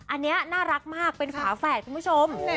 อันนี้น่ารักมากเป็นฝาแฝดคุณผู้ชม